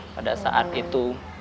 pada saat itu